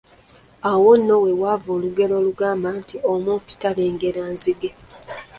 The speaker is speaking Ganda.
Awo nno we wava olugero olugamba nti omumpi talengera nzige.